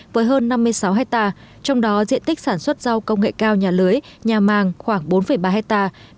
với hơn năm mươi sáu hectare trong đó diện tích sản xuất rau công nghệ cao nhà lưới nhà màng khoảng bốn ba hectare